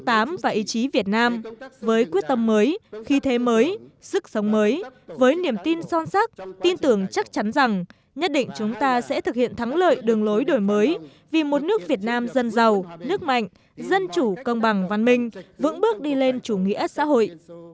tinh thần cách mạng tháng tám và ý chí việt nam với quyết tâm mới khi thế mới sức sống mới với niềm tin son sắc tin tưởng chắc chắn rằng nhất định chúng ta sẽ thực hiện thắng lợi đường lối đổi mới vì một nước việt nam dân giàu nước mạnh dân chủ công bằng văn minh vững bước đi lên chủ nghĩa xã hội